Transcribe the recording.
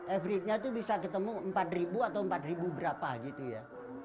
average nya itu bisa ketemu empat ribu atau empat ribu berapa gitu ya